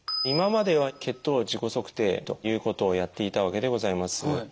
今までは血糖自己測定ということをやっていたわけでございます。